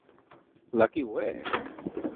Lucky way!